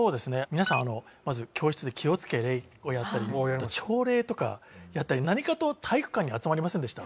皆さんまず教室で気をつけ礼をやったりあと朝礼とかやったり何かと体育館に集まりませんでした？